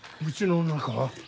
うちの中は？